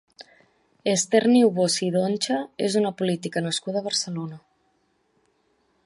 Esther Niubó Cidoncha és una política nascuda a Barcelona.